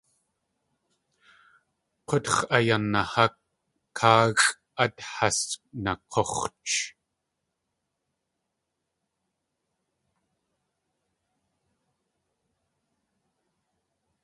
K̲utx̲.ayanahá káaxʼ át has nak̲úx̲ch.